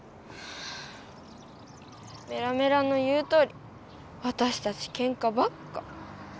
メラメラの言うとおりわたしたちけんかばっか。